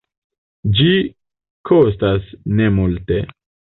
Ĝi kostas nemulte.